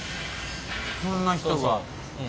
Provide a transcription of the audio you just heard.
そんな人が。